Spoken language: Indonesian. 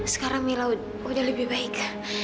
sekarang mila udah lebih baik